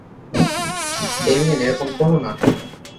Damien, এরকম করো না!